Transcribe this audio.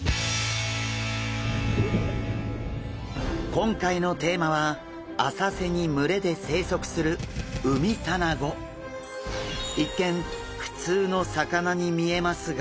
今回のテーマは浅瀬に群れで生息する一見普通の魚に見えますが。